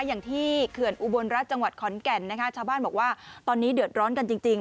อย่างที่เขื่อนอุบลรัฐจังหวัดขอนแก่นนะคะชาวบ้านบอกว่าตอนนี้เดือดร้อนกันจริง